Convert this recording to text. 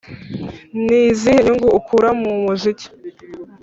Ni izihe nyungu ukura mu muziki?